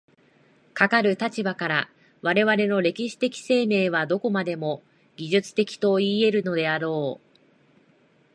かかる立場から、我々の歴史的生命はどこまでも技術的といい得るであろう。